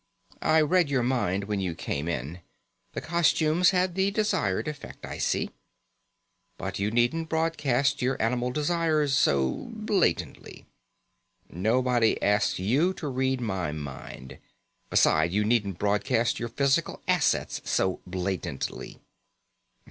"I read your mind when you came in. The costume's had the desired effect, I see. But you needn't broadcast your animal desires so blatantly." "Nobody asked you to read my mind. Besides, you needn't broadcast your physical assets so blatantly."